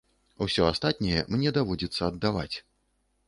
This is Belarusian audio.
Усё астатняе мне даводзіцца аддаваць.